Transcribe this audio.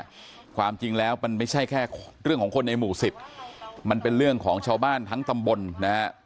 ความจริงแล้วมันไม่ใช่แค่เรื่องของคนในหมู่สิบมันเป็นเรื่องของชาวบ้านทั้งตำบลนะฮะ